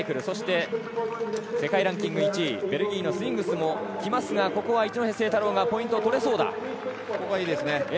そして世界ランキング１位のベルギーのスウィングスも来ますが、ここは一戸誠太郎がポイントを取れそうだ。